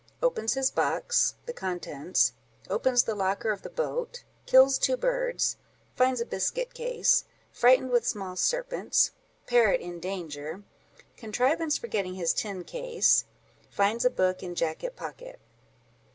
Opens his Box—The Contents—Opens the Locker of the Boat—Kills two Birds—Finds a Biscuit case—Frightened with small Serpents—Parrot in Danger—Contrivance for getting his Tin Case—Finds a Book in Jacket Pocket.